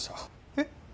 えっ？